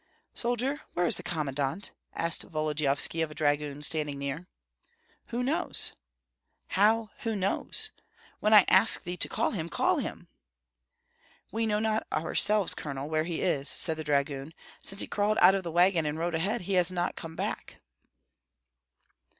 "Soldier, where is the commandant?" asked Volodyovski of a dragoon standing near. "Who knows?" "How, who knows? When I ask thee to call him, call him." "We know not ourselves, Colonel, where he is," said the dragoon. "Since he crawled out of the wagon and rode ahead, he has not come back."